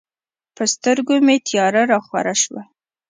په سترګو مې تیاره راخوره شوه.